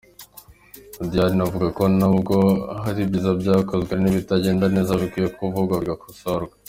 Diane avuga ko nubwo hari ibyiza byakozwe, hari n’ibitagenda neza bikwiye kuvugwa bigakosorwa.